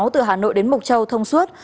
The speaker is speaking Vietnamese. từ hà nội đến mộc châu thông suốt